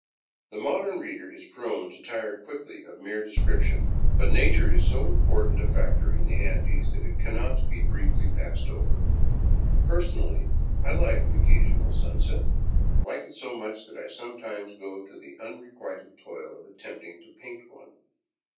The modern reader is prone to tire quickly of mere description ; but nature is so important a factor in the Andes that it cannot be briefly passed over. Personally I like an occasional sunset, like it so much that I sometimes go to the unrequited toil of attempting to paint one.